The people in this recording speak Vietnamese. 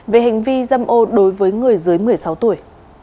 về hành vi dâm ô đối với người dưới một mươi sáu tuổi